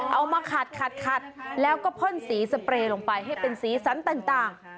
เอามาขัดแล้วก็พ่นสีสเปรย์ลงไปให้เป็นสีสันต่าง